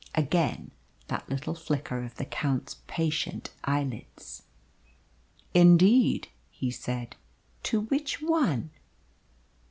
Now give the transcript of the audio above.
Again that little flicker of the Count's patient eyelids. "Indeed!" he said. "To which one?"